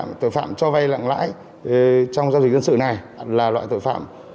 đối với tội phạm cho vay lặng lãi trong giao dịch dân sự này là loại tội phạm